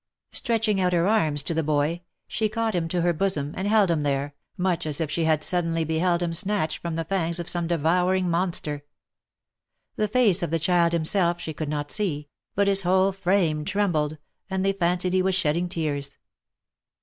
Stretching out her arms to the boy, she caught him to her bo som, and held him there, much as if she had suddenly beheld him snatched from the fangs of some devouring monster. The face of the OF MICHAEL ARMSTRONG. 169 child himself, she could not see, but hiss whole frame trembled, and they fancied he was shedding tears.